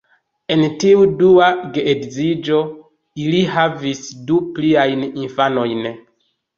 En tiu dua geedziĝo, ili havis du pliajn infanojn.